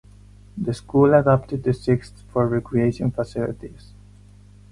The school adapted the sixth for recreation facilities.